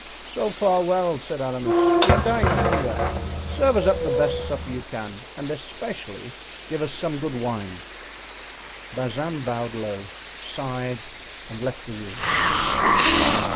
"So far well," said Aramis; "we are dying of hunger. Serve us up the best supper you can, and especially give us some good wine." Bazin bowed low, sighed, and left the room.